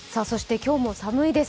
今日も寒いです。